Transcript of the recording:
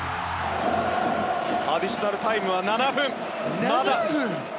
アディショナルタイムは７分。